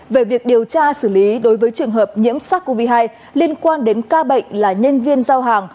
về việc điều tra xử lý đối với trường hợp nhiễm sars cov hai liên quan đến ca bệnh là nhân viên giao hàng